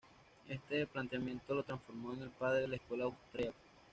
Este planteamiento lo transformó en el padre de la escuela austriaca.